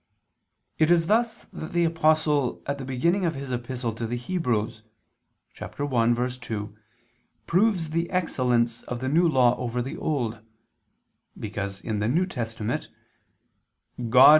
It is thus that the Apostle at the beginning of his epistle to the Hebrews (1:2) proves the excellence of the New Law over the Old; because in the New Testament "God